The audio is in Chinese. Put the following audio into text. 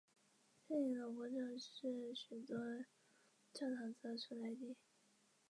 改翰林院庶吉士。